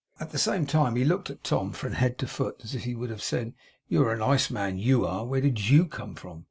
At the same time he looked at Tom from head to foot, as if he would have said, 'You are a nice man, YOU are; where did YOU come from?